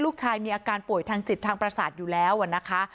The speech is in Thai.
ลูกชายมีอาการป่วยทางจิตทางประสาทอยู่แล้วนะคะ